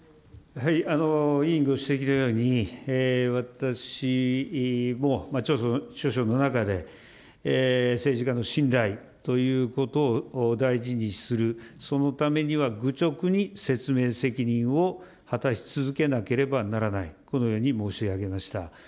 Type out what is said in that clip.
委員ご指摘のように、私も著書の中で、政治家の信頼ということを大事にする、そのためには愚直に説明責任を果たし続けなければならない、このように申し上げました。